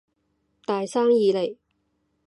大生意嚟